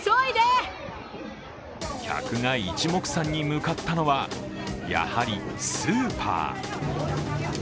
客が一目散に向かったのは、やはりスーパー。